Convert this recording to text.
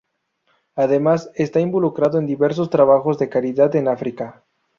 Además, está involucrado en diversos trabajos de caridad en África.